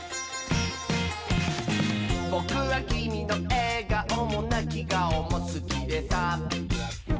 「ぼくはきみのえがおもなきがおもすきでさ」